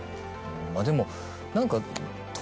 まぁでも何か。